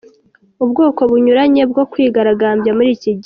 Ubwoko bunyuranye bwo kwigaragambya muri iki gihe:.